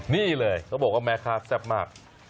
นี่เลยเขาบอกว่าแม่ค้าแซ่บมาก